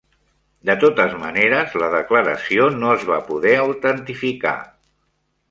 De totes maneres, la declaració no es va poder autentificar.